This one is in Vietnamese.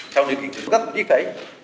sau những hiệp định gấp một chút phẩy